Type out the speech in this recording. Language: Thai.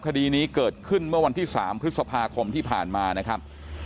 คดีนี้เกิดขึ้นเมื่อวันที่๓พฤษภาคมที่ผ่านมานะครับ